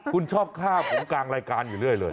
คุณชอบฆ่าผมกลางรายการอยู่เรื่อยเลย